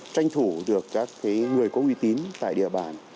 tranh thủ được các người có uy tín tại địa bàn